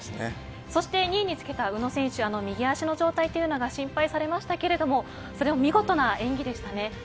２位につけた宇野選手は右足の状態が心配されましたがそれを、見事な演技でしたね。